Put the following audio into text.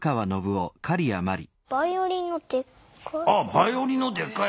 バイオリンのでっかい。